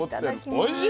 おいしい！